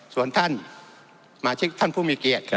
ส่วนท่านสมาชิกท่านผู้มีเกียรติครับ